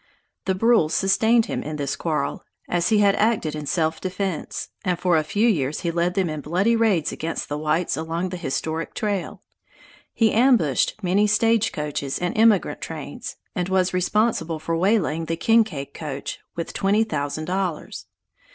The Brules sustained him in this quarrel, as he had acted in self defense; and for a few years he led them in bloody raids against the whites along the historic trail. He ambushed many stagecoaches and emigrant trains, and was responsible for waylaying the Kincaid coach with twenty thousand dollars.